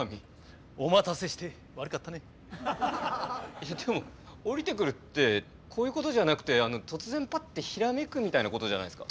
いやでも降りてくるってこういうことじゃなくて突然パッてひらめくみたいなことじゃないですか？